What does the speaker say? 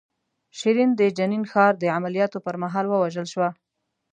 شیرین د جنین ښار د عملیاتو پر مهال ووژل شوه.